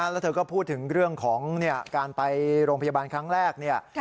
แล้วเธอก็พูดถึงเรื่องของการไปโรงพยาบาลครั้งแรกเนี่ย